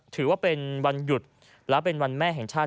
ถือว่าเป็นวันหยุดและเป็นวันแม่แห่งชาติ